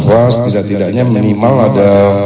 bahwa setidak tidaknya minimal ada